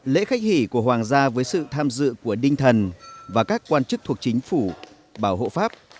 lễ khách hỉ của hoàng gia với sự tham dự của đinh thần và các quan chức thuộc chính phủ bảo hộ pháp